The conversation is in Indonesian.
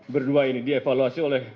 berdua ini dievaluasi oleh